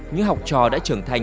như học trò đã trưởng thành